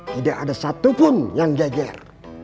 tidak ada satupun yang jajar